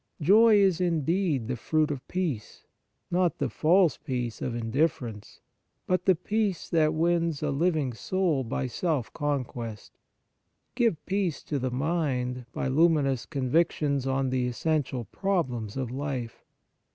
Joy is, indeed, the fruit of peace — not the false peace of indifference, but the peace that wins a living soul by self conquest. Give peace to the mind, by luminous convictions on the essential problems of life.